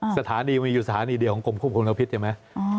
สถานีมีอยู่สถานีเดียวของกรมควบคุมพิษใช่ไหม